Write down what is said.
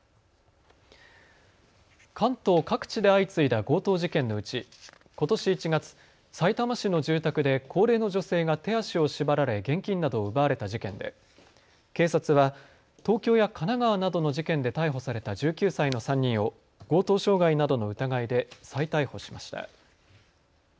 関東各地で相次いだ強盗事件のうち、ことし１月、さいたま市の住宅で高齢の女性が手足を縛られ現金などを奪われた事件で警察は東京や神奈川などの事件で逮捕された１９歳の３人を強盗傷害などの疑いで再逮捕しました。